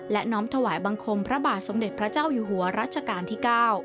และน้อมถวายบังคมพระบาทสมเด็จพระเจ้าอยู่หัวรัชกาลที่๙